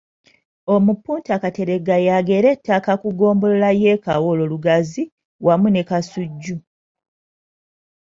Omupunta Kateregga yagera ettaka ku Ggombolola y'e Kawolo Lugazi wamu ne Kasujju.